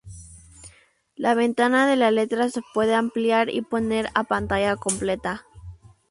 La ventana de la letra se puede ampliar y poner a pantalla completa.